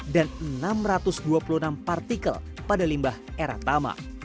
dan enam ratus dua puluh enam partikel pada limbah eratama